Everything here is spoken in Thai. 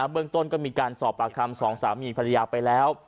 เบื้องต้นก็มีการสอบปากคำสองสามีภรรยาไปแล้ว